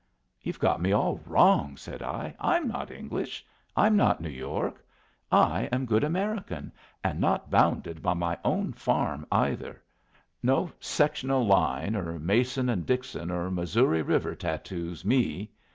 "You've got me all wrong," said I. "I'm not English; I'm not New York. I am good American, and not bounded by my own farm either. No sectional line, or Mason and Dixon, or Missouri River tattoos me.